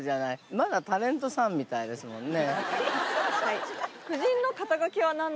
まだタレントさんみたいですもんね。